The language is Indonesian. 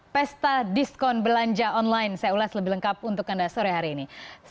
pesta diskon belanja online saya ulas lebih lengkap untuk anda sore hari ini